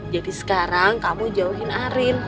jadi sekarang kamu jauhin arin